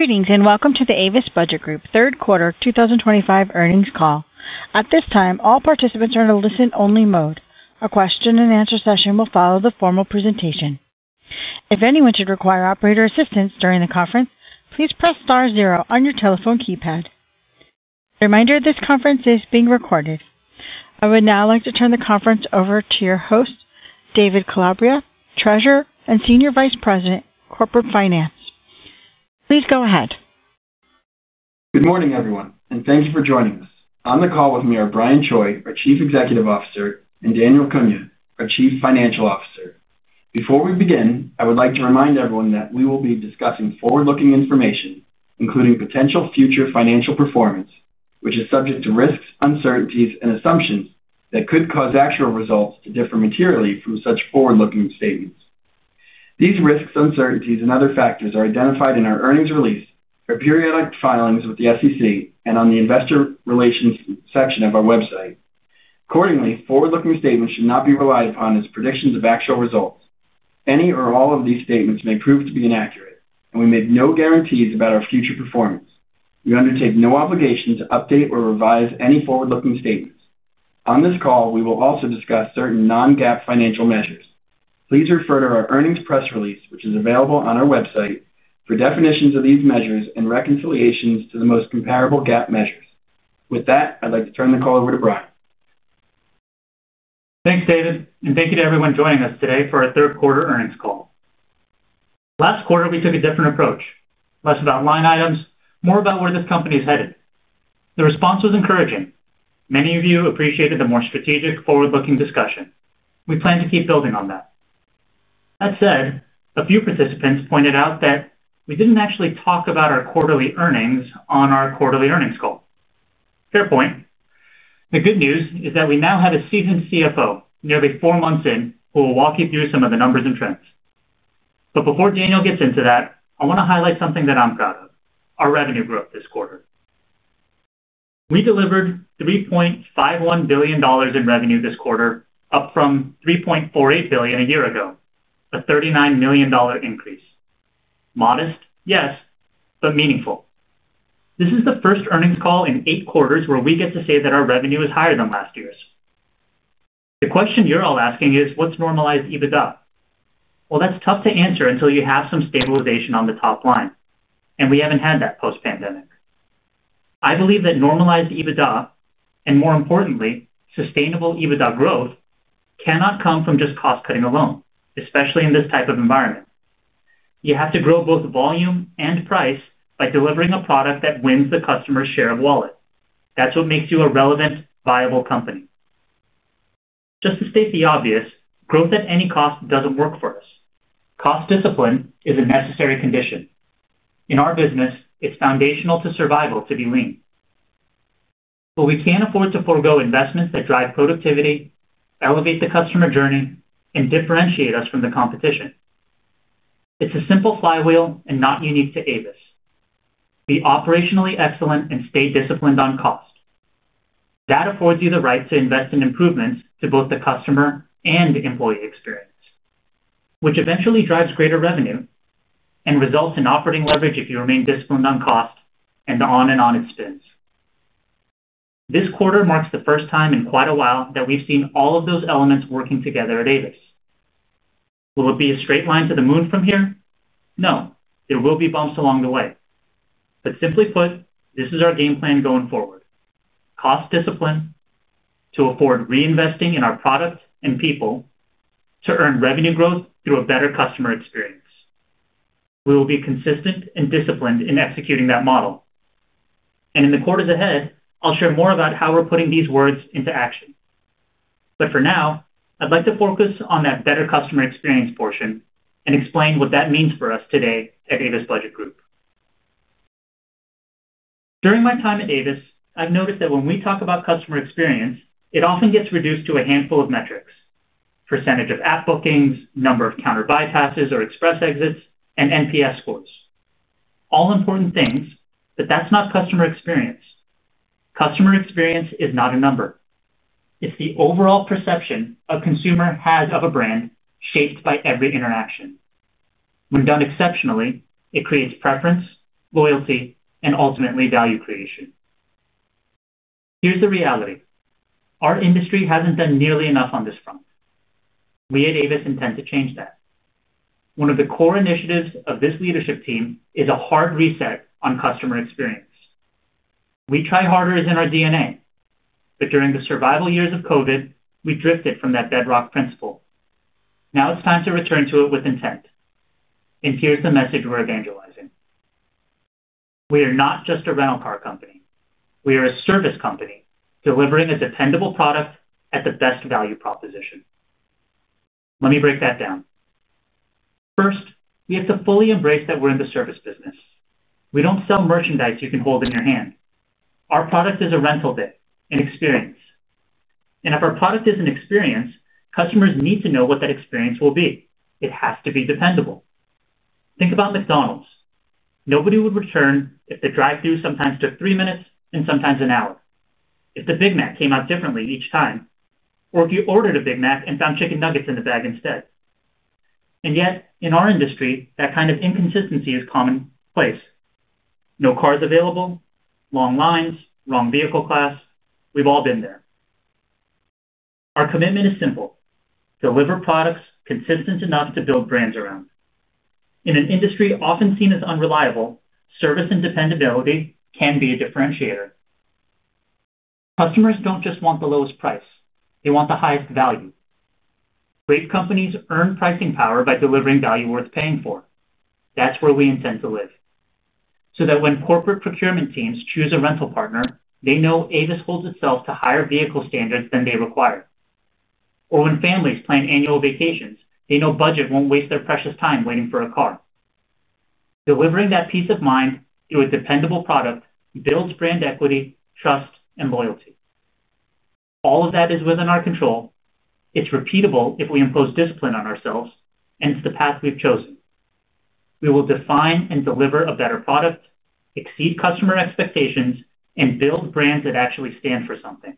Greetings and welcome to the Avis Budget Group third quarter 2025 earnings call. At this time, all participants are in a listen-only mode. A question-and-answer session will follow the formal presentation. If anyone should require operator assistance during the conference, please press star zero on your telephone keypad. A reminder that this conference is being recorded. I would now like to turn the conference over to your host, David Calabria, Treasurer and Senior Vice President, Corporate Finance. Please go ahead. Good morning, everyone, and thank you for joining us. On the call with me are Brian Choi, our Chief Executive Officer, and Daniel Cunha, our Chief Financial Officer. Before we begin, I would like to remind everyone that we will be discussing forward-looking information, including potential future financial performance, which is subject to risks, uncertainties, and assumptions that could cause actual results to differ materially from such forward-looking statements. These risks, uncertainties, and other factors are identified in our earnings release, our periodic filings with the SEC, and on the investor relations section of our website. Accordingly, forward-looking statements should not be relied upon as predictions of actual results. Any or all of these statements may prove to be inaccurate, and we make no guarantees about our future performance. We undertake no obligation to update or revise any forward-looking statements. On this call, we will also discuss certain non-GAAP financial measures. Please refer to our earnings press release, which is available on our website, for definitions of these measures and reconciliations to the most comparable GAAP measures. With that, I'd like to turn the call over to Brian. Thanks, David, and thank you to everyone joining us today for our third quarter earnings call. Last quarter, we took a different approach, less about line items, more about where this company is headed. The response was encouraging. Many of you appreciated the more strategic, forward-looking discussion. We plan to keep building on that. That said, a few participants pointed out that we didn't actually talk about our quarterly earnings on our quarterly earnings call. Fair point. The good news is that we now have a seasoned CFO, nearly four months in, who will walk you through some of the numbers and trends. Before Daniel gets into that, I want to highlight something that I'm proud of: our revenue growth this quarter. We delivered $3.51 billion in revenue this quarter, up from $3.48 billion a year ago, a $39 million increase. Modest, yes, but meaningful. This is the first earnings call in eight quarters where we get to say that our revenue is higher than last year's. The question you're all asking is, what's normalized EBITDA? That's tough to answer until you have some stabilization on the top line, and we haven't had that post-pandemic. I believe that normalized EBITDA, and more importantly, sustainable EBITDA growth, cannot come from just cost-cutting alone, especially in this type of environment. You have to grow both volume and price by delivering a product that wins the customer's share of wallet. That's what makes you a relevant, viable company. Just to state the obvious, growth at any cost doesn't work for us. Cost discipline is a necessary condition. In our business, it's foundational to survival to be lean. We can't afford to forego investments that drive productivity, elevate the customer journey, and differentiate us from the competition. It's a simple flywheel and not unique to Avis. Be operationally excellent and stay disciplined on cost. That affords you the right to invest in improvements to both the customer and employee experience, which eventually drives greater revenue and results in operating leverage if you remain disciplined on cost and on and on it spins. This quarter marks the first time in quite a while that we've seen all of those elements working together at Avis. Will it be a straight line to the moon from here? No, there will be bumps along the way. Simply put, this is our game plan going forward: cost discipline to afford reinvesting in our product and people to earn revenue growth through a better customer experience. We will be consistent and disciplined in executing that model. In the quarters ahead, I'll share more about how we're putting these words into action. For now, I'd like to focus on that better customer experience portion and explain what that means for us today at Avis Budget Group. During my time at Avis, I've noticed that when we talk about customer experience, it often gets reduced to a handful of metrics: percentage of app bookings, number of counter bypasses or express exits, and NPS scores. All important things, but that's not customer experience. Customer experience is not a number. It's the overall perception a consumer has of a brand, shaped by every interaction. When done exceptionally, it creates preference, loyalty, and ultimately value creation. Here's the reality: our industry hasn't done nearly enough on this front. We at Avis intend to change that. One of the core initiatives of this leadership team is a hard reset on customer experience. We try harder is in our DNA, but during the survival years of COVID, we drifted from that bedrock principle. Now it's time to return to it with intent. Here's the message we're evangelizing. We are not just a rental car company. We are a service company delivering a dependable product at the best value proposition. Let me break that down. First, we have to fully embrace that we're in the service business. We don't sell merchandise you can hold in your hand. Our product is a rental thing, an experience. If our product is an experience, customers need to know what that experience will be. It has to be dependable. Think about McDonald's. Nobody would return if the drive-through sometimes took three minutes and sometimes an hour, if the Big Mac came out differently each time, or if you ordered a Big Mac and found chicken nuggets in the bag instead. In our industry, that kind of inconsistency is commonplace. No cars available, long lines, wrong vehicle class. We've all been there. Our commitment is simple: deliver products consistent enough to build brands around. In an industry often seen as unreliable, service and dependability can be a differentiator. Customers don't just want the lowest price. They want the highest value. Great companies earn pricing power by delivering value worth paying for. That's where we intend to live. So that when corporate procurement teams choose a rental partner, they know Avis holds itself to higher vehicle standards than they require. Or when families plan annual vacations, they know Budget won't waste their precious time waiting for a car. Delivering that peace of mind through a dependable product builds brand equity, trust, and loyalty. All of that is within our control. It's repeatable if we impose discipline on ourselves, and it's the path we've chosen. We will define and deliver a better product, exceed customer expectations, and build brands that actually stand for something.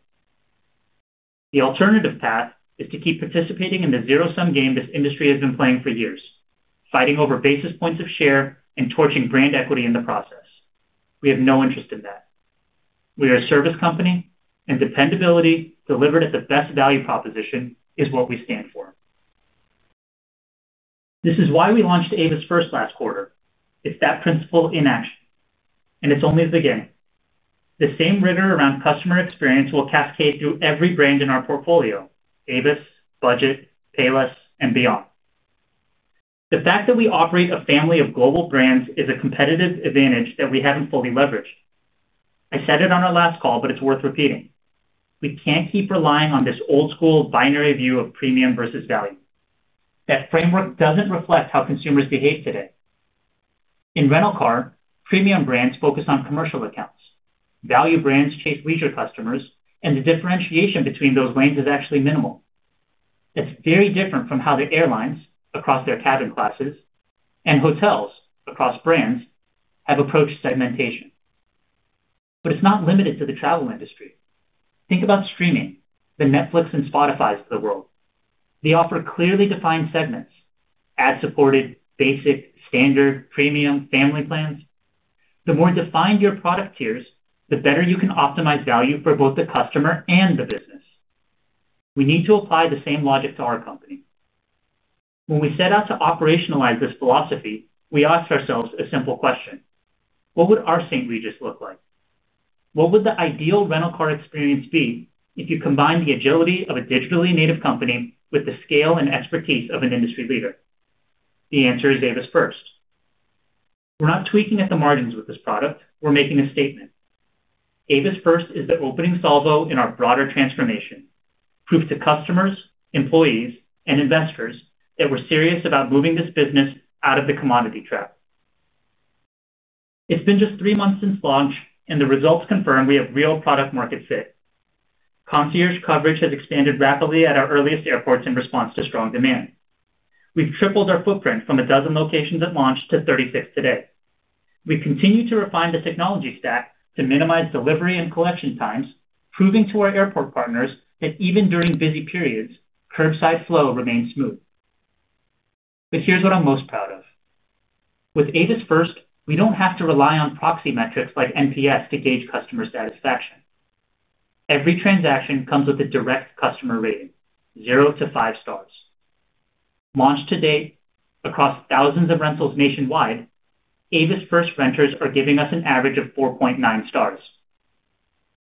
The alternative path is to keep participating in the zero-sum game this industry has been playing for years, fighting over basis points of share and torching brand equity in the process. We have no interest in that. We are a service company, and dependability delivered at the best value proposition is what we stand for. This is why we launched Avis First last quarter. It's that principle in action. It's only the beginning. The same rigor around customer experience will cascade through every brand in our portfolio: Avis, Budget, Payless, and beyond. The fact that we operate a family of global brands is a competitive advantage that we haven't fully leveraged. I said it on our last call, but it's worth repeating. We can't keep relying on this old-school binary view of premium versus value. That framework doesn't reflect how consumers behave today. In rental car, premium brands focus on commercial accounts. Value brands chase leisure customers, and the differentiation between those lanes is actually minimal. That's very different from how the airlines across their cabin classes and hotels across brands have approached segmentation. It's not limited to the travel industry. Think about streaming, the Netflix and Spotify of the world. They offer clearly defined segments: ad-supported, basic, standard, premium, family plans. The more defined your product tiers, the better you can optimize value for both the customer and the business. We need to apply the same logic to our company. When we set out to operationalize this philosophy, we asked ourselves a simple question: what would our St. Regis look like? What would the ideal rental car experience be if you combined the agility of a digitally native company with the scale and expertise of an industry leader? The answer is Avis First. We're not tweaking at the margins with this product. We're making a statement. Avis First is the opening salvo in our broader transformation, proof to customers, employees, and investors that we're serious about moving this business out of the commodity trap. It's been just three months since launch, and the results confirm we have real product-market fit. Concierge coverage has expanded rapidly at our earliest airports in response to strong demand. We've tripled our footprint from a dozen locations at launch to 36 today. We continue to refine the technology stack to minimize delivery and collection times, proving to our airport partners that even during busy periods, curbside flow remains smooth. Here's what I'm most proud of. With Avis First, we don't have to rely on proxy metrics like NPS to gauge customer satisfaction. Every transaction comes with a direct customer rating: zero to five stars. Launched to date across thousands of rentals nationwide, Avis First renters are giving us an average of 4.9 stars.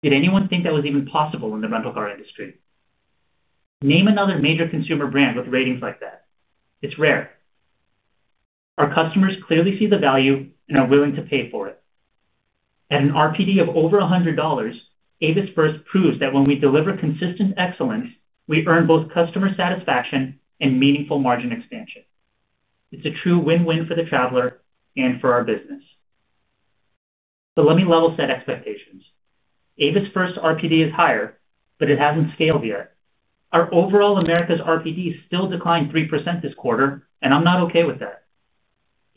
Did anyone think that was even possible in the rental car industry? Name another major consumer brand with ratings like that. It's rare. Our customers clearly see the value and are willing to pay for it. At an RPD of over $100, Avis First proves that when we deliver consistent excellence, we earn both customer satisfaction and meaningful margin expansion. It's a true win-win for the traveler and for our business. Let me level set expectations. Avis First's RPD is higher, but it hasn't scaled yet. Our overall Americas RPD still declined 3% this quarter, and I'm not okay with that.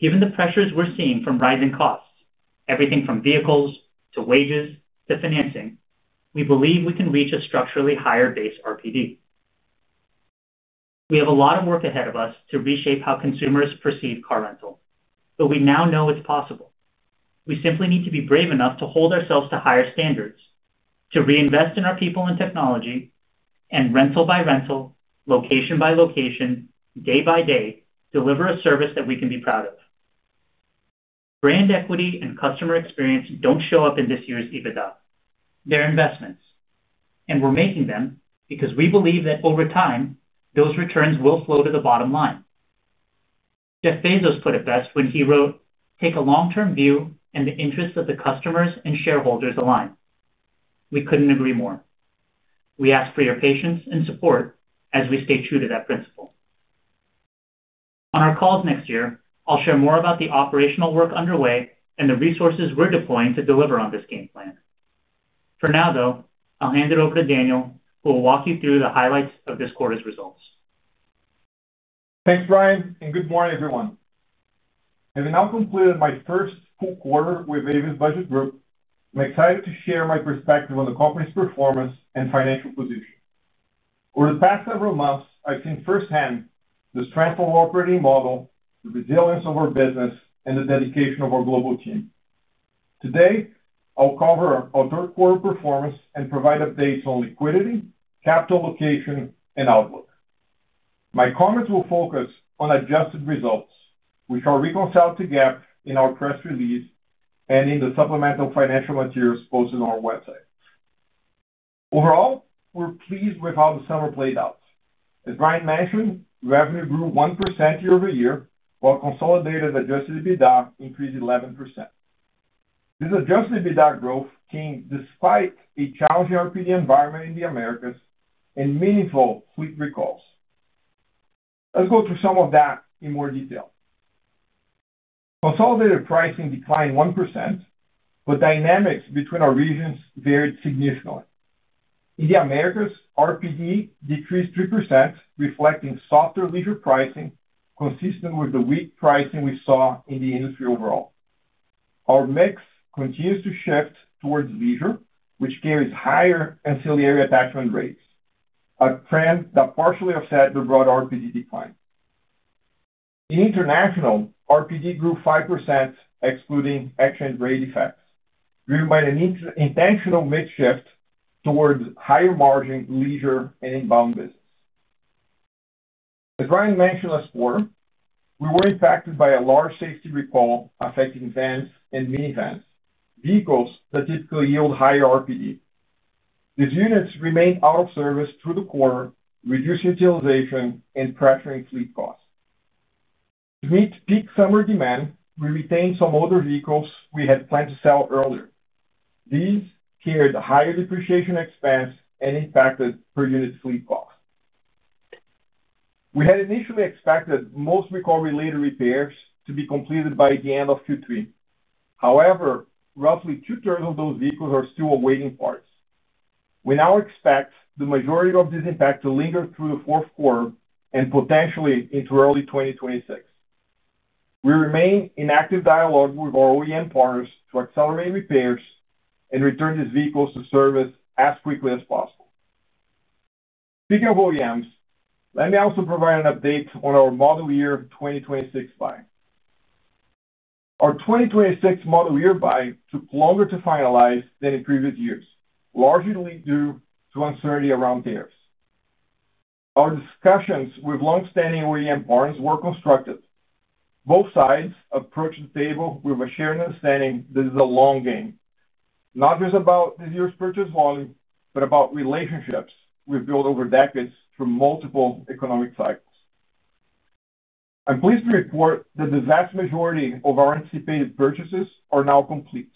Given the pressures we're seeing from rising costs, everything from vehicles to wages to financing, we believe we can reach a structurally higher base RPD. We have a lot of work ahead of us to reshape how consumers perceive car rental, but we now know it's possible. We simply need to be brave enough to hold ourselves to higher standards, to reinvest in our people and technology, and rental by rental, location by location, day by day, deliver a service that we can be proud of. Brand equity and customer experience don't show up in this year's EBITDA. They're investments, and we're making them because we believe that over time, those returns will flow to the bottom line. Jeff Bezos put it best when he wrote, "Take a long-term view and the interests of the customers and shareholders aligned." We couldn't agree more. We ask for your patience and support as we stay true to that principle. On our calls next year, I'll share more about the operational work underway and the resources we're deploying to deliver on this game plan. For now, though, I'll hand it over to Daniel, who will walk you through the highlights of this quarter's results. Thanks, Brian, and good morning, everyone. I've now completed my first full quarter with Avis Budget Group. I'm excited to share my perspective on the company's performance and financial position. Over the past several months, I've seen firsthand the strength of our operating model, the resilience of our business, and the dedication of our global team. Today, I'll cover our third-quarter performance and provide updates on liquidity, capital allocation, and outlook. My comments will focus on adjusted results, which are reconciled to GAAP in our press release and in the supplemental financial materials posted on our website. Overall, we're pleased with how the summer played out. As Brian mentioned, revenue grew 1% year-over-year, while consolidated adjusted EBITDA increased 11%. This adjusted EBITDA growth came despite a challenging RPD environment in the Americas and meaningful fleet recalls. Let's go through some of that in more detail. Consolidated pricing declined 1%, but dynamics between our regions varied significantly. In the Americas, RPD decreased 3%, reflecting softer leisure pricing consistent with the weak pricing we saw in the industry overall. Our mix continues to shift towards leisure, which carries higher ancillary attachment rates, a trend that partially offset the broad RPD decline. In International, RPD grew 5%, excluding exchange rate effects, driven by an intentional mix shift towards higher margin leisure and inbound business. As Brian mentioned last quarter, we were impacted by a large safety recall affecting vans and minivans, vehicles that typically yield higher RPD. These units remained out of service through the quarter, reducing utilization and pressuring fleet costs. To meet peak summer demand, we retained some older vehicles we had planned to sell earlier. These carried a higher depreciation expense and impacted per unit fleet cost. We had initially expected most recall-related repairs to be completed by the end of Q3. However, roughly two-thirds of those vehicles are still awaiting parts. We now expect the majority of this impact to linger through the fourth quarter and potentially into early 2026. We remain in active dialogue with our OEM partners to accelerate repairs and return these vehicles to service as quickly as possible. Speaking of OEMs, let me also provide an update on our model year 2026 buying. Our 2026 model year buying took longer to finalize than in previous years, largely due to uncertainty around tariffs. Our discussions with long-standing OEM partners were constructive. Both sides approached the table with a shared understanding that this is a long game, not just about this year's purchase volume, but about relationships we've built over decades through multiple economic cycles. I'm pleased to report that the vast majority of our anticipated purchases are now complete.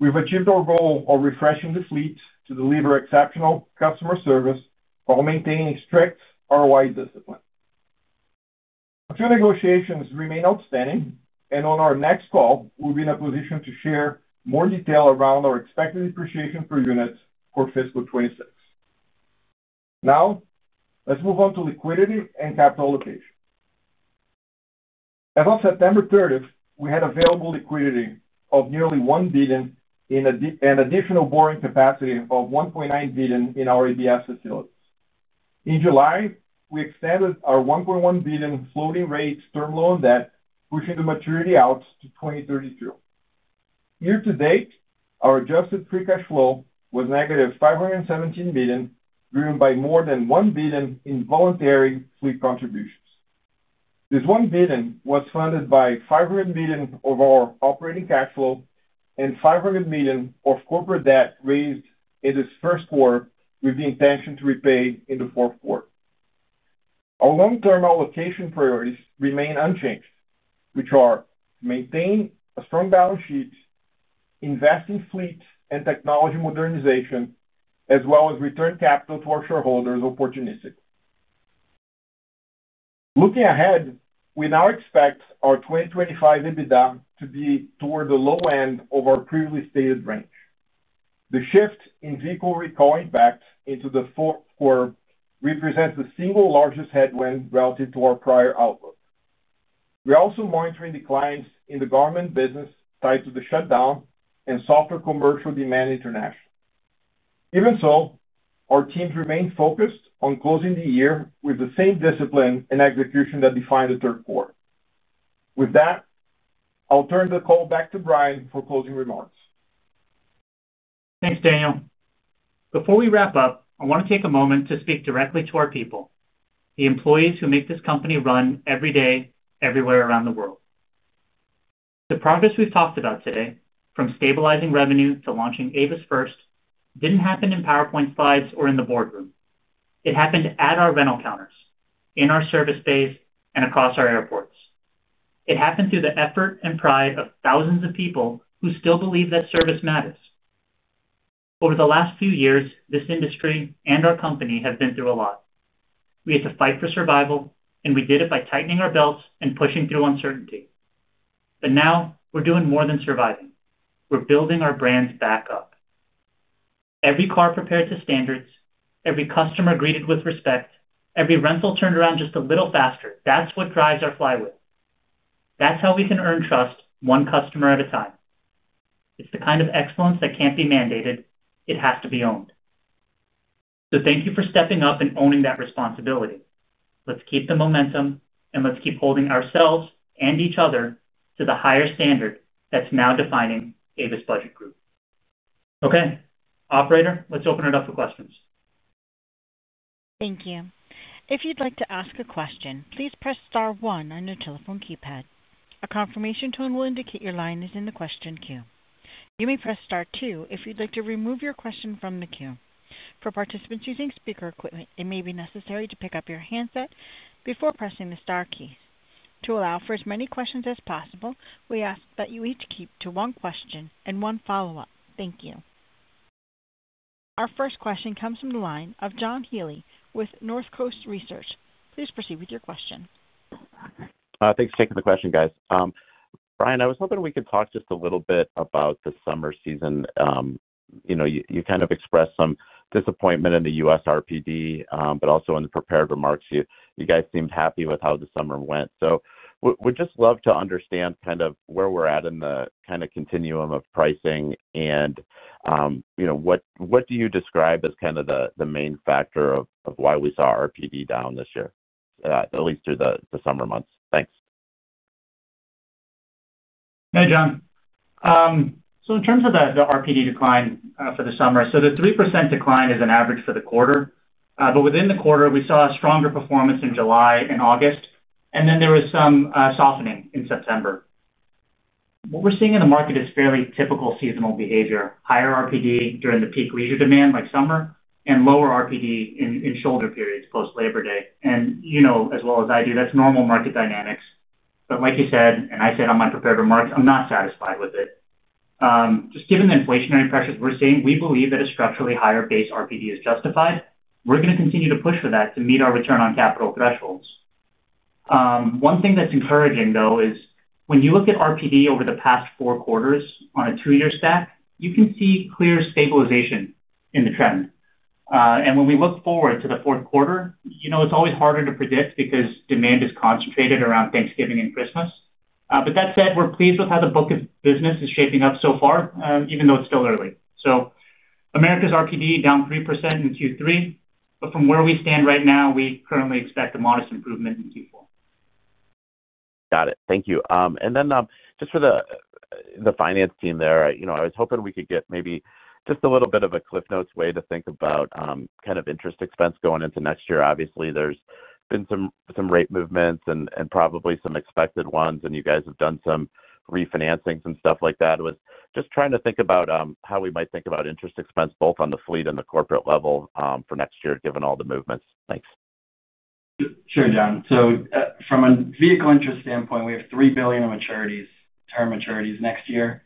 We've achieved our goal of refreshing the fleet to deliver exceptional customer service while maintaining strict ROI discipline. A few negotiations remain outstanding, and on our next call, we'll be in a position to share more detail around our expected depreciation per unit for fiscal 2026. Now, let's move on to liquidity and capital allocation. As of September 30th, we had available liquidity of nearly $1 billion and an additional borrowing capacity of $1.9 billion in our ABS facilities. In July, we extended our $1.1 billion floating rate term loan debt, pushing the maturity out to 2032. Year to date, our adjusted free cash flow was -$517 million, driven by more than $1 billion in voluntary fleet contributions. This $1 billion was funded by $500 million of our operating cash flow and $500 million of corporate debt raised in this first quarter with the intention to repay in the fourth quarter. Our long-term allocation priorities remain unchanged, which are to maintain a strong balance sheet, invest in fleet and technology modernization, as well as return capital to our shareholders opportunistically. Looking ahead, we now expect our 2025 EBITDA to be toward the low end of our previously stated range. The shift in vehicle recall impact into the fourth quarter represents the single largest headwind relative to our prior outlook. We are also monitoring declines in the government business tied to the shutdown and softer commercial demand internationally. Even so, our teams remain focused on closing the year with the same discipline and execution that defined the third quarter. With that, I'll turn the call back to Brian for closing remarks. Thanks, Daniel. Before we wrap up, I want to take a moment to speak directly to our people, the employees who make this company run every day, everywhere around the world. The progress we've talked about today, from stabilizing revenue to launching Avis First, didn't happen in PowerPoint slides or in the boardroom. It happened at our rental counters, in our service bays, and across our airports. It happened through the effort and pride of thousands of people who still believe that service matters. Over the last few years, this industry and our company have been through a lot. We had to fight for survival, and we did it by tightening our belts and pushing through uncertainty. Now, we're doing more than surviving. We're building our brands back up. Every car prepared to standards, every customer greeted with respect, every rental turned around just a little faster. That's what drives our flywheel. That's how we can earn trust one customer at a time. It's the kind of excellence that can't be mandated. It has to be owned. Thank you for stepping up and owning that responsibility. Let's keep the momentum, and let's keep holding ourselves and each other to the higher standard that's now defining Avis Budget Group. Okay, operator, let's open it up for questions. Thank you. If you'd like to ask a question, please press star one on your telephone keypad. A confirmation tone will indicate your line is in the question queue. You may press star two if you'd like to remove your question from the queue. For participants using speaker equipment, it may be necessary to pick up your handset before pressing the star keys. To allow for as many questions as possible, we ask that you each keep to one question and one follow-up. Thank you. Our first question comes from the line of John Healy with Northcoast Research. Please proceed with your question. Thanks for taking the question, guys. Brian, I was hoping we could talk just a little bit about the summer season. You kind of expressed some disappointment in the U.S. RPD, but also in the prepared remarks, you guys seemed happy with how the summer went. We'd just love to understand kind of where we're at in the kind of continuum of pricing and, you know, what do you describe as kind of the main factor of why we saw RPD down this year, at least through the summer months? Thanks. Hey, John. In terms of the RPD decline for the summer, the 3% decline is an average for the quarter, but within the quarter, we saw a stronger performance in July and August, and then there was some softening in September. What we're seeing in the market is fairly typical seasonal behavior: higher RPD during the peak leisure demand, like summer, and lower RPD in shoulder periods post Labor Day. You know as well as I do, that's normal market dynamics. Like you said, and I said on my prepared remarks, I'm not satisfied with it. Just given the inflationary pressures we're seeing, we believe that a structurally higher base RPD is justified. We're going to continue to push for that to meet our return on capital thresholds. One thing that's encouraging, though, is when you look at RPD over the past four quarters on a two-year stack, you can see clear stabilization in the trend. When we look forward to the fourth quarter, it's always harder to predict because demand is concentrated around Thanksgiving and Christmas. That said, we're pleased with how the book of business is shaping up so far, even though it's still early. America's RPD down 3% in Q3, but from where we stand right now, we currently expect a modest improvement in Q4. Got it. Thank you. For the finance team there, I was hoping we could get maybe just a little bit of a Cliff Notes way to think about kind of interest expense going into next year. Obviously, there's been some rate movements and probably some expected ones, and you guys have done some refinancing and stuff like that. I was just trying to think about how we might think about interest expense both on the fleet and the corporate level for next year, given all the movements. Thanks. Sure, John. From a vehicle interest standpoint, we have $3 billion in maturities, term maturities next year.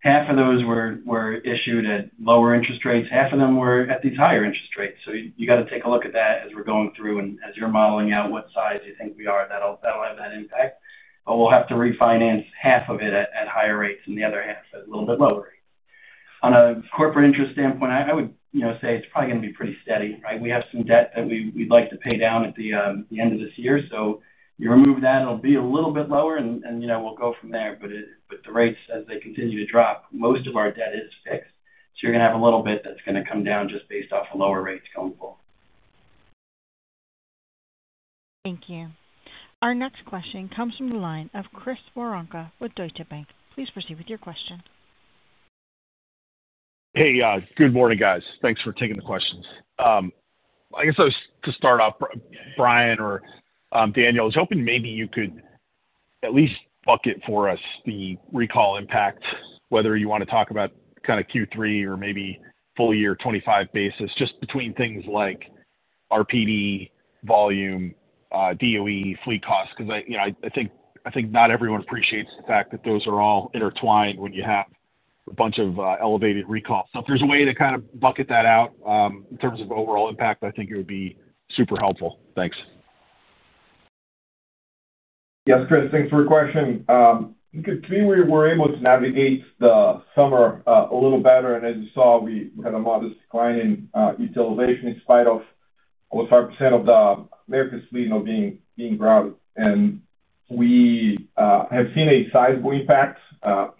Half of those were issued at lower interest rates. Half of them were at these higher interest rates. You have to take a look at that as we're going through and as you're modeling out what size you think we are. That'll have that impact. We'll have to refinance half of it at higher rates and the other half at a little bit lower rates. On a corporate interest standpoint, I would say it's probably going to be pretty steady, right? We have some debt that we'd like to pay down at the end of this year. You remove that, it'll be a little bit lower, and we'll go from there. The rates, as they continue to drop, most of our debt is fixed. You're going to have a little bit that's going to come down just based off the lower rates going forward. Thank you. Our next question comes from the line of Chris Woronka with Deutsche Bank. Please proceed with your question. Hey, good morning, guys. Thanks for taking the questions. I guess I was to start off, Brian or Daniel, I was hoping maybe you could at least bucket for us the recall impact, whether you want to talk about kind of Q3 or maybe full year 2025 basis, just between things like RPD, volume, DOE, fleet costs, because I think not everyone appreciates the fact that those are all intertwined when you have a bunch of elevated recall. If there's a way to kind of bucket that out in terms of overall impact, I think it would be super helpful. Thanks. Yes, Chris, thanks for your question. To me, we were able to navigate the summer a little better. As you saw, we had a modest decline in utilization in spite of almost 5% of the Americas fleet being grounded. We have seen a sizable impact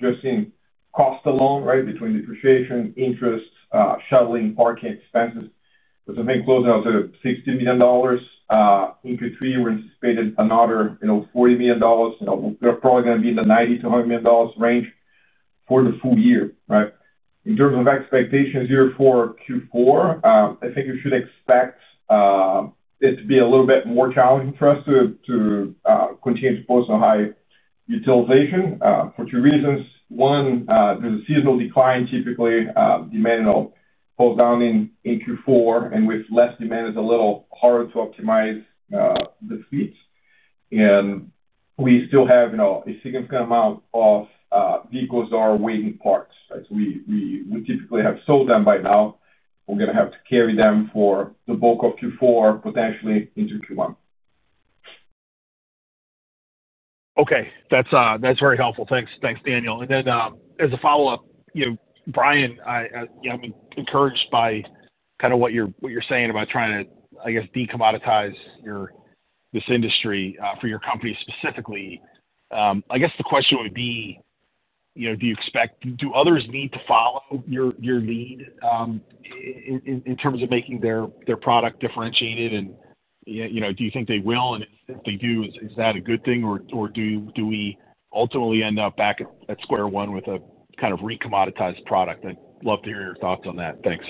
just in cost alone, right, between depreciation, interest, shuttling, parking expenses. I think closing out to $60 million in Q3, we anticipated another $40 million. We're probably going to be in the $90 million-$100 million range for the full year, right? In terms of expectations here for Q4, I think you should expect it to be a little bit more challenging for us to continue to post a high utilization for two reasons. One, there's a seasonal decline. Typically, demand falls down in Q4, and with less demand, it's a little harder to optimize the fleet. We still have a significant amount of vehicles that are waiting parts, right? We would typically have sold them by now. We're going to have to carry them for the bulk of Q4, potentially into Q1. Okay. That's very helpful. Thanks, Daniel. As a follow-up, Brian, I'm encouraged by what you're saying about trying to, I guess, decommoditize this industry for your company specifically. I guess the question would be, do you expect do others need to follow your lead in terms of making their product differentiated? Do you think they will? If they do, is that a good thing? Or do we ultimately end up back at square one with a kind of recommoditized product? I'd love to hear your thoughts on that. Thanks.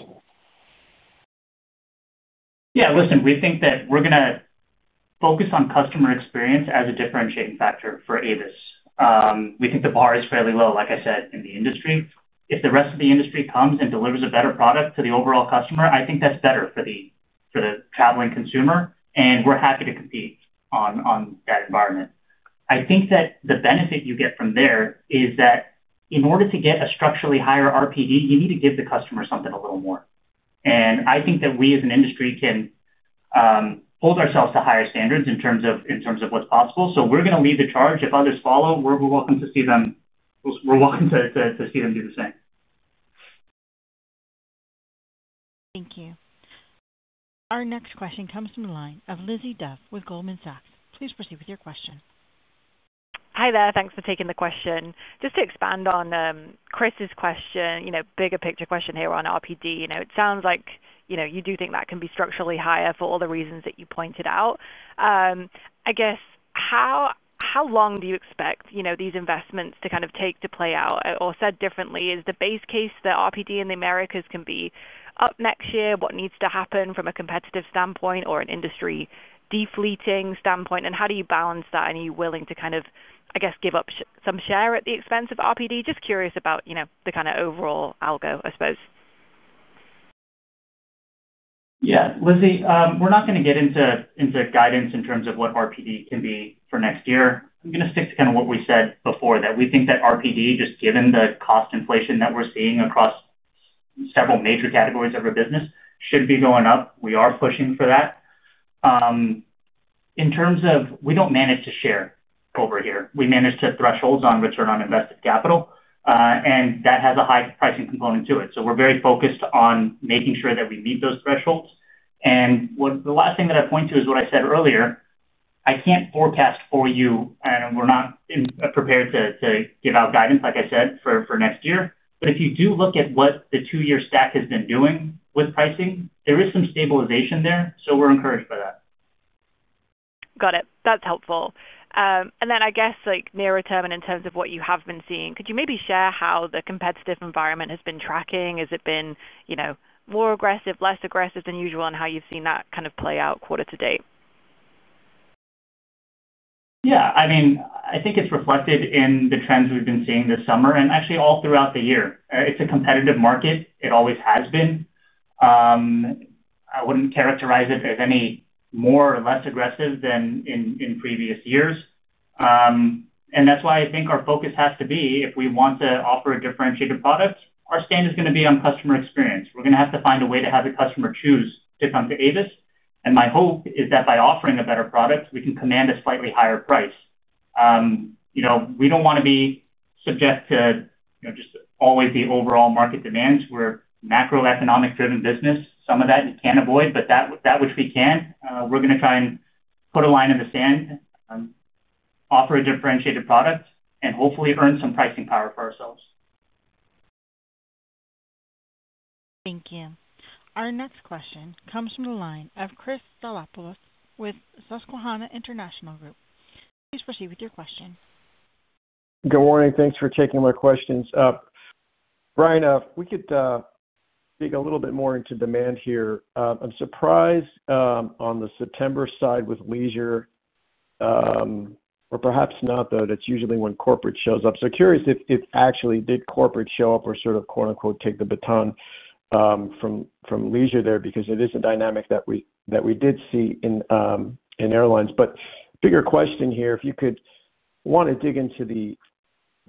Yeah, listen, we think that we're going to focus on customer experience as a differentiating factor for Avis. We think the bar is fairly low, like I said, in the industry. If the rest of the industry comes and delivers a better product to the overall customer, I think that's better for the traveling consumer. We're happy to compete in that environment. I think that the benefit you get from there is that in order to get a structurally higher RPD, you need to give the customer something a little more. I think that we as an industry can hold ourselves to higher standards in terms of what's possible. We're going to lead the charge. If others follow, we're welcome to see them do the same. Thank you. Our next question comes from the line of Lizzie Dove with Goldman Sachs. Please proceed with your question. Hi there. Thanks for taking the question. Just to expand on Chris's question, bigger picture question here on RPD, it sounds like you do think that can be structurally higher for all the reasons that you pointed out. I guess, how long do you expect these investments to kind of take to play out? Or said differently, is the base case that RPD in the Americas can be up next year? What needs to happen from a competitive standpoint or an industry defleeting standpoint? How do you balance that? Are you willing to kind of, I guess, give up some share at the expense of RPD? Just curious about the kind of overall algo, I suppose. Yeah. Lizzie, we're not going to get into guidance in terms of what RPD can be for next year. I'm going to stick to kind of what we said before, that we think that RPD, just given the cost inflation that we're seeing across several major categories of our business, should be going up. We are pushing for that. We don't manage to share over here. We manage to thresholds on return on invested capital, and that has a high pricing component to it. We are very focused on making sure that we meet those thresholds. The last thing that I point to is what I said earlier. I can't forecast for you, and we're not prepared to give out guidance, like I said, for next year. If you do look at what the two-year stack has been doing with pricing, there is some stabilization there. We're encouraged by that. Got it. That's helpful. I guess like nearer term and in terms of what you have been seeing, could you maybe share how the competitive environment has been tracking? Has it been more aggressive, less aggressive than usual, and how you've seen that kind of play out quarter to date? I think it's reflected in the trends we've been seeing this summer and actually all throughout the year. It's a competitive market. It always has been. I wouldn't characterize it as any more or less aggressive than in previous years. That's why I think our focus has to be, if we want to offer a differentiated product, our stand is going to be on customer experience. We're going to have to find a way to have the customer choose to come to Avis. My hope is that by offering a better product, we can command a slightly higher price. We don't want to be subject to just always the overall market demands. We're a macroeconomic-driven business. Some of that you can't avoid, but that which we can, we're going to try and put a line in the sand, offer a differentiated product, and hopefully earn some pricing power for ourselves. Thank you. Our next question comes from the line of Chris Stathoulopoulos with Susquehanna International Group. Please proceed with your question. Good morning. Thanks for taking my questions. Brian, if we could dig a little bit more into demand here. I'm surprised on the September side with leisure, or perhaps not, though, that's usually when corporate shows up. I'm curious if actually did corporate show up or sort of quote-unquote "take the baton" from leisure there because it is a dynamic that we did see in airlines. Bigger question here, if you could want to dig into the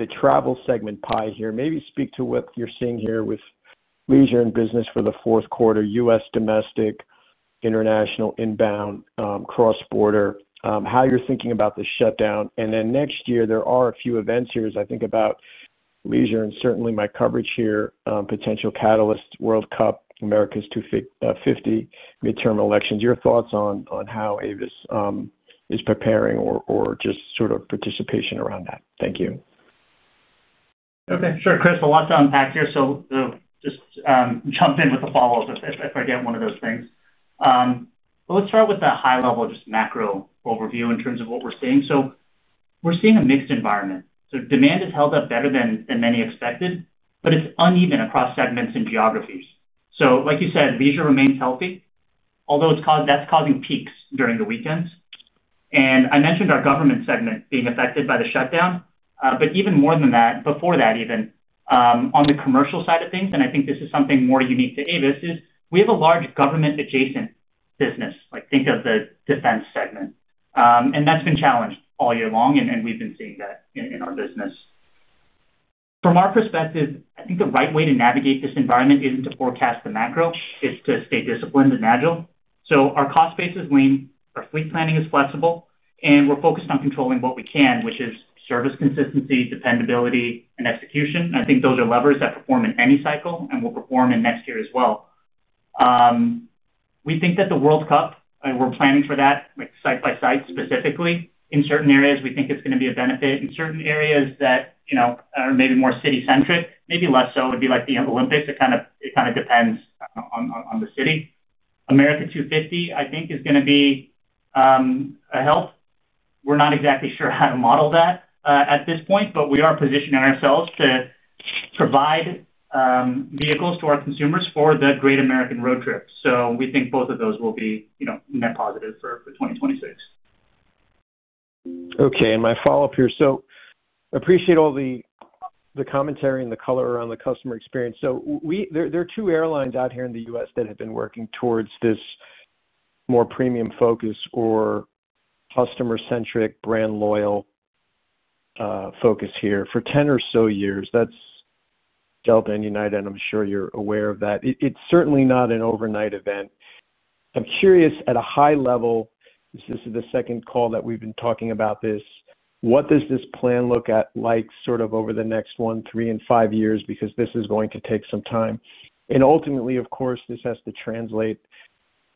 travel segment pie here, maybe speak to what you're seeing here with leisure and business for the fourth quarter, U.S., domestic, international, inbound, cross-border, how you're thinking about the shutdown. Next year, there are a few events here as I think about leisure and certainly my coverage here, potential catalyst, World Cup, America's 250, midterm elections. Your thoughts on how Avis is preparing or just sort of participation around that. Thank you. Okay. Sure. Chris, a lot to unpack here. Just jump in with the follow-up if I get one of those things. Let's start with a high-level macro overview in terms of what we're seeing. We're seeing a mixed environment. Demand has held up better than many expected, but it's uneven across segments and geographies. Like you said, leisure remains healthy, although that's causing peaks during the weekends. I mentioned our government segment being affected by the shutdown. Even more than that, before that even, on the commercial side of things, and I think this is something more unique to Avis, we have a large government-adjacent business. Think of the defense segment. That's been challenged all year long, and we've been seeing that in our business. From our perspective, I think the right way to navigate this environment isn't to forecast the macro. It's to stay disciplined and agile. Our cost basis is lean, our fleet planning is flexible, and we're focused on controlling what we can, which is service consistency, dependability, and execution. I think those are levers that perform in any cycle and will perform next year as well. We think that the World Cup, we're planning for that side by side specifically. In certain areas, we think it's going to be a benefit. In certain areas that are maybe more city-centric, maybe less so, it would be like the Olympics. It kind of depends on the city. America 250, I think, is going to be a help. We're not exactly sure how to model that at this point, but we are positioning ourselves to provide vehicles to our consumers for the Great American road trip. We think both of those will be net positive for 2026. Okay. My follow-up here. I appreciate all the commentary and the color around the customer experience. There are two airlines out here in the U.S. that have been working towards this more premium focus or customer-centric brand-loyal focus here for 10 or so years. That's Delta and United, and I'm sure you're aware of that. It's certainly not an overnight event. I'm curious, at a high level, this is the second call that we've been talking about this. What does this plan look like sort of over the next one, three, and five years? This is going to take some time. Ultimately, of course, this has to translate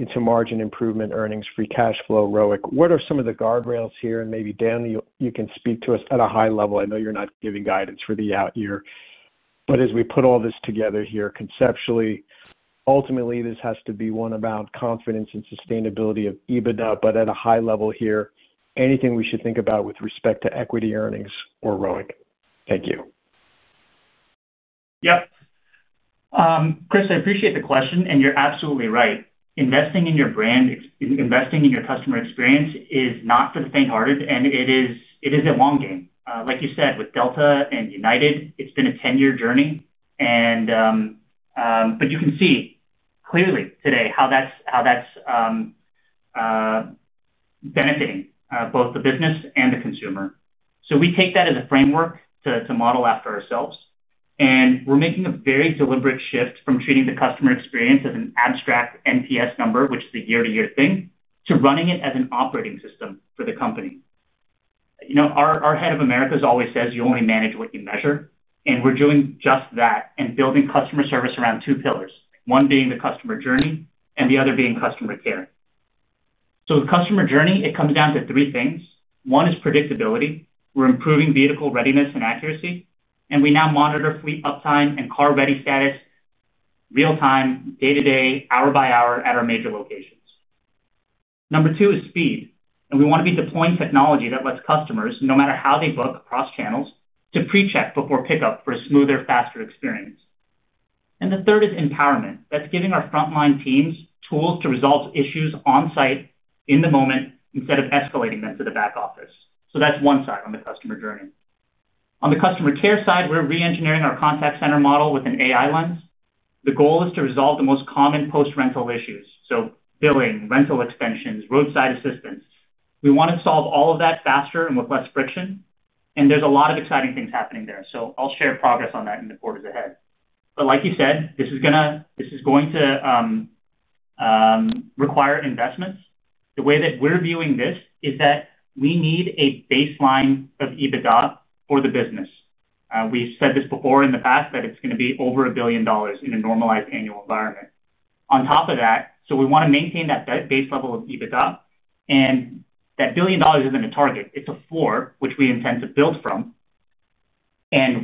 into margin improvement, earnings, free cash flow, ROIC. What are some of the guardrails here? Maybe, Daniel, you can speak to us at a high level. I know you're not giving guidance for the out year. As we put all this together here, conceptually, ultimately, this has to be one about confidence and sustainability of EBITDA. At a high level here, anything we should think about with respect to equity earnings or ROIC. Thank you. Yep. Chris, I appreciate the question, and you're absolutely right. Investing in your brand, investing in your customer experience is not for the faint-hearted, and it is a long game. Like you said, with Delta and United, it's been a 10-year journey, but you can see clearly today how that's benefiting both the business and the consumer. We take that as a framework to model after ourselves. We're making a very deliberate shift from treating the customer experience as an abstract NPS number, which is a year-to-year thing, to running it as an operating system for the company. You know, our Head of Americas always says, "You only manage what you measure." We're doing just that and building customer service around two pillars, one being the customer journey and the other being customer care. The customer journey comes down to three things. One is predictability. We're improving vehicle readiness and accuracy. We now monitor fleet uptime and car-ready status real-time, day-to-day, hour-by-hour at our major locations. Number two is speed. We want to be deploying technology that lets customers, no matter how they book across channels, pre-check before pickup for a smoother, faster experience. The third is empowerment. That's giving our frontline teams tools to resolve issues on-site in the moment instead of escalating them to the back office. That's one side on the customer journey. On the customer care side, we're re-engineering our contact center model with an AI lens. The goal is to resolve the most common post-rental issues: billing, rental extensions, roadside assistance. We want to solve all of that faster and with less friction. There's a lot of exciting things happening there. I'll share progress on that in the quarters ahead. This is going to require investments. The way that we're viewing this is that we need a baseline of EBITDA for the business. We've said this before in the past that it's going to be over $1 billion in a normalized annual environment. We want to maintain that base level of EBITDA. That $1 billion isn't a target. It's a floor, which we intend to build from.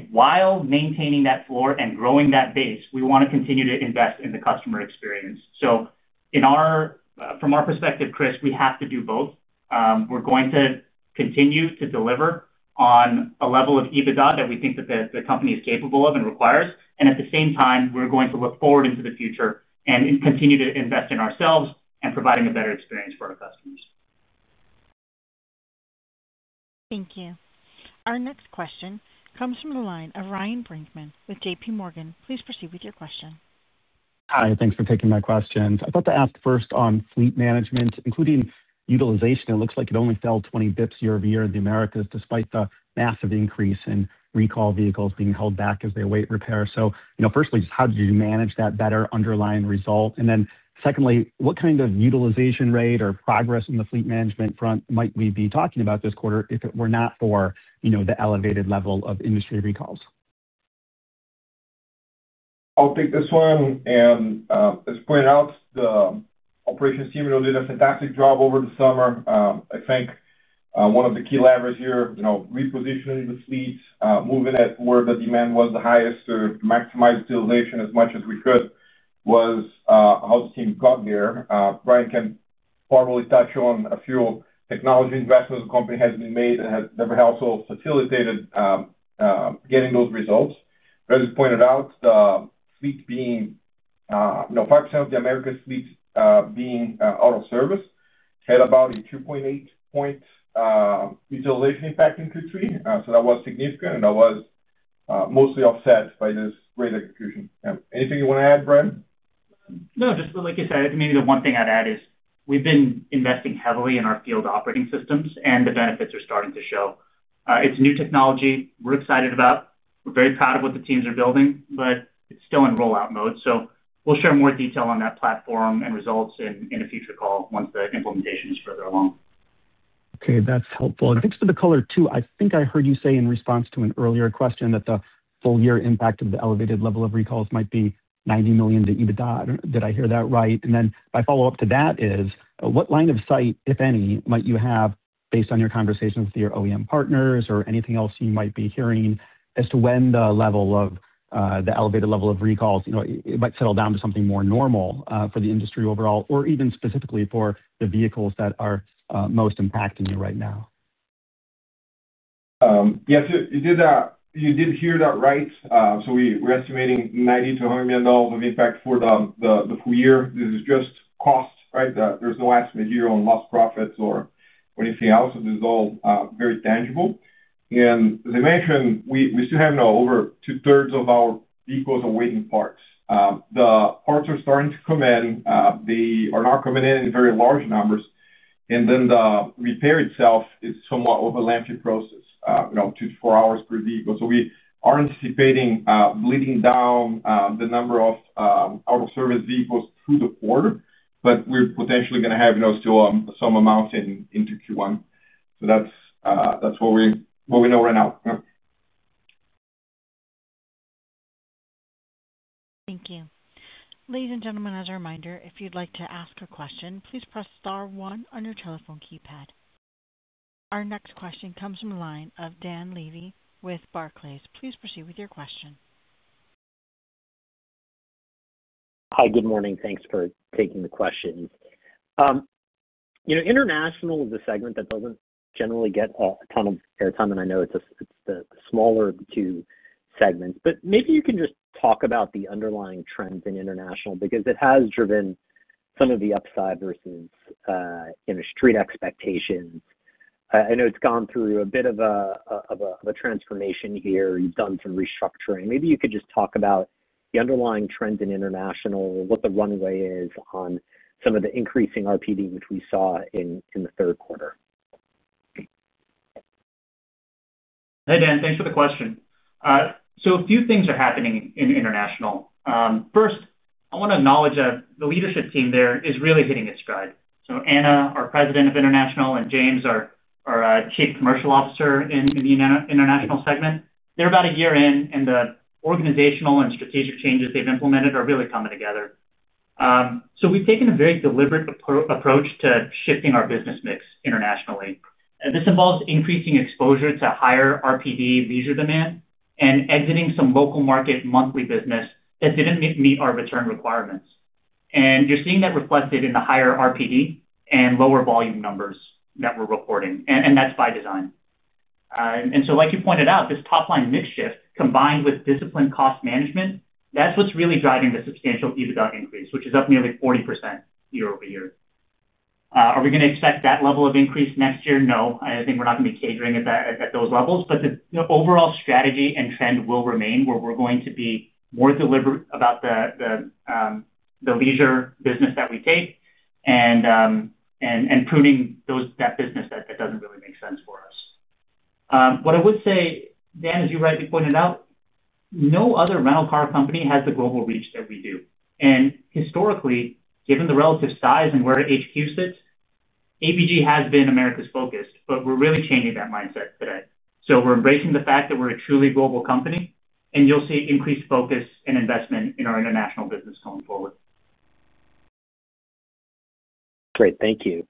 While maintaining that floor and growing that base, we want to continue to invest in the customer experience. From our perspective, Chris, we have to do both. We're going to continue to deliver on a level of EBITDA that we think the company is capable of and requires. At the same time, we're going to look forward into the future and continue to invest in ourselves and providing a better experience for our customers. Thank you. Our next question comes from the line of Ryan Brinkman with JPMorgan. Please proceed with your question. Hi. Thanks for taking my questions. I thought to ask first on fleet management, including utilization. It looks like it only fell 20 bps year-over-year in the Americas despite the massive increase in recall vehicles being held back as they await repair. Firstly, just how did you manage that better underlying result? Secondly, what kind of utilization rate or progress in the fleet management front might we be talking about this quarter if it were not for the elevated level of industry recalls? I'll take this one. As I pointed out, the operations team really did a fantastic job over the summer. I think one of the key levers here, repositioning the fleets, moving it where the demand was the highest to maximize utilization as much as we could, was how the team got there. Brian can probably touch on a few technology investments the company has made that have also facilitated getting those results. As you pointed out, the fleet being 5% of the Americas fleet being out of service had about a 2.8 point utilization impact in Q3. That was significant, and that was mostly offset by this great execution. Anything you want to add, Brian? No, just like you said, maybe the one thing I'd add is we've been investing heavily in our field operating systems, and the benefits are starting to show. It's new technology we're excited about. We're very proud of what the teams are building, but it's still in rollout mode. We'll share more detail on that platform and results in a future call once the implementation is further along. Okay. That's helpful. Thanks for the color too. I think I heard you say in response to an earlier question that the full-year impact of the elevated level of recalls might be $90 million to EBITDA. Did I hear that right? My follow-up to that is, what line of sight, if any, might you have based on your conversations with your OEM partners or anything else you might be hearing as to when the level of the elevated level of recalls might settle down to something more normal for the industry overall or even specifically for the vehicles that are most impacting you right now? Yes, you did hear that right. We're estimating $90 million-$100 million of impact for the full year. This is just cost, right? There's no estimate here on lost profits or anything else. This is all very tangible. As I mentioned, we still have now over two-thirds of our vehicles awaiting parts. The parts are starting to come in. They are not coming in in very large numbers. The repair itself is somewhat of a lengthy process, you know, two to four hours per vehicle. We are anticipating bleeding down the number of out-of-service vehicles through the quarter, but we're potentially going to have still some amount into Q1. That's what we know right now. Thank you. Ladies and gentlemen, as a reminder, if you'd like to ask a question, please press star one on your telephone keypad. Our next question comes from the line of Dan Levy with Barclays. Please proceed with your question. Hi. Good morning. Thanks for taking the questions. International is a segment that doesn't generally get a ton of airtime, and I know it's the smaller of the two segments. Maybe you can just talk about the underlying trends in International because it has driven some of the upside versus industry expectations. I know it's gone through a bit of a transformation here. You've done some restructuring. Maybe you could just talk about the underlying trends in International, what the runway is on some of the increasing RPD which we saw in the third quarter. Hey, Dan. Thanks for the question. A few things are happening in International. First, I want to acknowledge that the leadership team there is really hitting its stride. Anna, our President of International, and James, our Chief Commercial Officer in the International segment, are about a year in, and the organizational and strategic changes they've implemented are really coming together. We've taken a very deliberate approach to shifting our business mix internationally. This involves increasing exposure to higher RPD leisure demand and exiting some local market monthly business that didn't meet our return requirements. You're seeing that reflected in the higher RPD and lower volume numbers that we're reporting. That's by design. Like you pointed out, this top-line mix shift combined with disciplined cost management is what's really driving the substantial EBITDA increase, which is up nearly 40% year-over-year. Are we going to expect that level of increase next year? No. I think we're not going to be operating at those levels. The overall strategy and trend will remain where we're going to be more deliberate about the leisure business that we take and pruning that business that doesn't really make sense for us. What I would say, Dan, as you rightly pointed out, no other rental car company has the global reach that we do. Historically, given the relative size and where HQ sits, ABG has been Americas-focused, but we're really changing that mindset today. We're embracing the fact that we're a truly global company, and you'll see increased focus and investment in our International business going forward. Great. Thank you.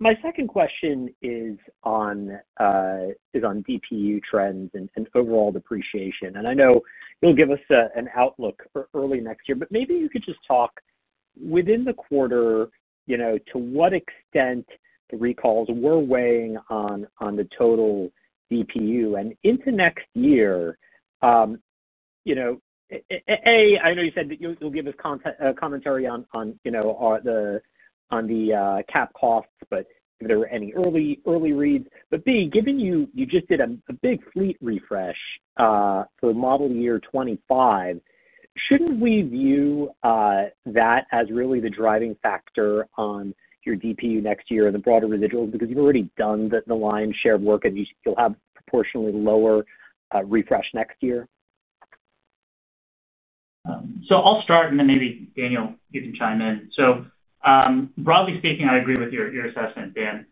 My second question is on DPU trends and overall depreciation. I know you'll give us an outlook for early next year, but maybe you could just talk within the quarter, you know, to what extent the recalls were weighing on the total DPU. Into next year, A, I know you said that you'll give us a commentary on, you know, the cap costs, but if there were any early reads. B, given you just did a big fleet refresh for model year 2025, shouldn't we view that as really the driving factor on your DPU next year and the broader residuals because you've already done the lion's share of work and you'll have proportionately lower refresh next year? I'll start, and then maybe Daniel, you can chime in. Broadly speaking, I agree with your assessment, Dan.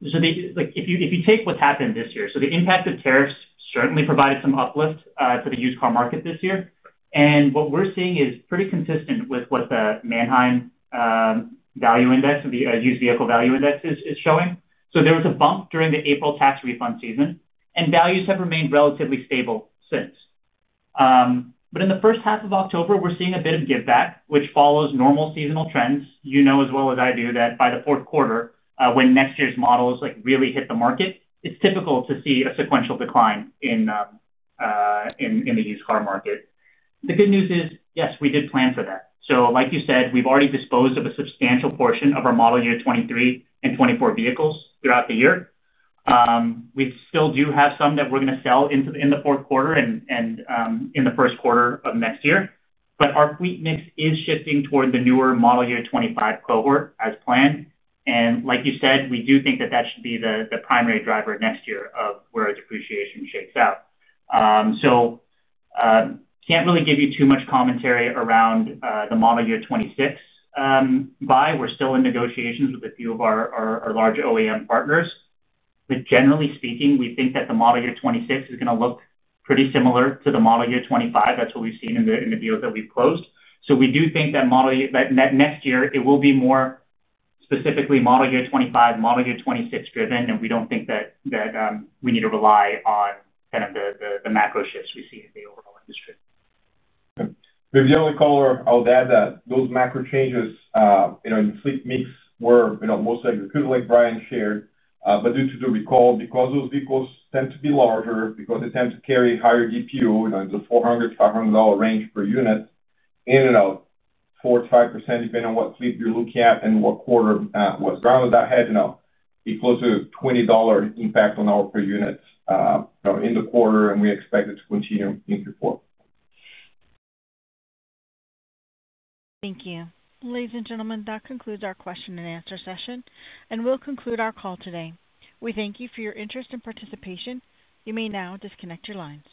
If you take what's happened this year, the impact of tariffs certainly provided some uplift to the used car market this year. What we're seeing is pretty consistent with what the Manheim value index, the used vehicle value index, is showing. There was a bump during the April tax refund season, and values have remained relatively stable since. In the first half of October, we're seeing a bit of give-back, which follows normal seasonal trends. You know as well as I do that by the fourth quarter, when next year's models really hit the market, it's typical to see a sequential decline in the used car market. The good news is, yes, we did plan for that. Like you said, we've already disposed of a substantial portion of our model year 2023 and 2024 vehicles throughout the year. We still do have some that we're going to sell in the fourth quarter and in the first quarter of next year. Our fleet mix is shifting toward the newer model year 2025 cohort as planned. Like you said, we do think that should be the primary driver next year of where our depreciation shakes out. I can't really give you too much commentary around the model year 2026 buy. We're still in negotiations with a few of our large OEM partners. Generally speaking, we think that the model year 2026 is going to look pretty similar to the model year 2025. That's what we've seen in the deals that we've closed. We do think that model year next year, it will be more specifically model year 2025, model year 2026 driven, and we don't think that we need to rely on kind of the macro shifts we see in the overall industry. Okay. Maybe the only color I would add is that those macro changes in the fleet mix were mostly executed like Brian shared. Due to the recall, because those vehicles tend to be larger, because they tend to carry higher DPU, you know, in the $400, $500 range per unit, in and out 4%-5% depending on what fleet you're looking at and what quarter it was. Rounded that head, you know, be close to a $20 impact on our per unit in the quarter, and we expect it to continue in Q4. Thank you. Ladies and gentlemen, that concludes our question and answer session, and we'll conclude our call today. We thank you for your interest and participation. You may now disconnect your lines.